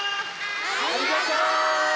ありがとう！